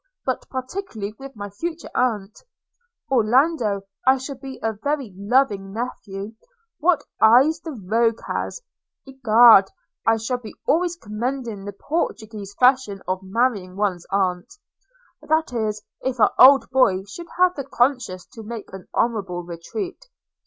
but particularly with my future aunt? – Orlando, I shall be a very loving nephew. – What eyes the rogue has! – Egad, I shall be always commending the Portuguese fashion of marrying one's aunt – that is, if our old boy should have the conscience to make an honourable retreat.'